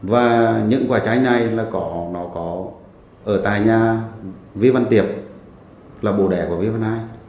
và những quả trái này là nó có ở tại nhà vi văn tiệp là bồ đẻ của vi văn hai